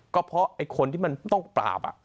ก็เพราะไอ้คนที่มันต้องปราบ